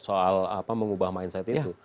soal mengubah mindset itu